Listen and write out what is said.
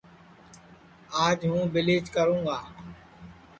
آج ہوں بیلیچ کروں گا